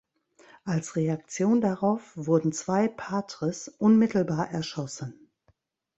Als Reaktion darauf wurden zwei Patres unmittelbar erschossen.